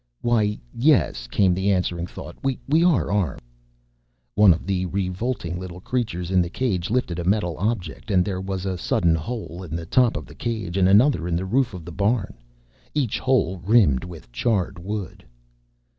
"Why, yes," came the answering thought. "We are armed." One of the revolting little creatures in the cage lifted a metal object and there was a sudden hole in the top of the cage and another in the roof of the barn, each hole rimmed with charred wood.